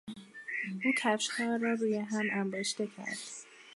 او کفشها را روی هم انباشته کرد.